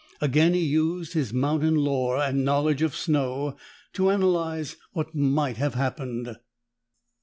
Again he used his mountain lore and knowledge of snow to analyze what might have happened.